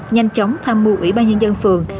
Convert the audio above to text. nhanh chóng tham mưu ủy ban nhân dân phường